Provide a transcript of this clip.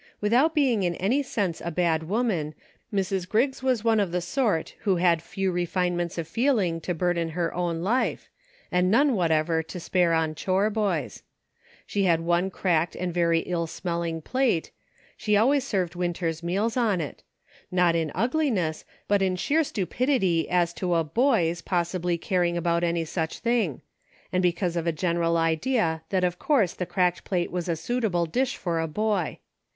Without being in any sense a bad woman, Mrs. Griggs was one of the sort who had few re finements of feeling to burden her own life, and none whatever to spare on chore boys. She had UNSEEN CONNECTIONS. 73 one cracked and very ill smelling plate ; she always served Winter's meals on it ; not in ugliness, but in sheer stupidity as to a boys possibly caring about any such thing ; and because of a general idea that of course the cracked plate was a suit able dish for a boy.